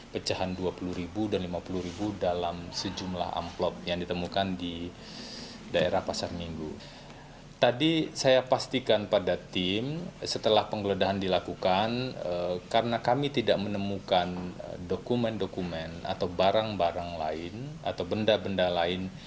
pertama diduga menerima suap dan yang kedua diduga menerima gratifikasi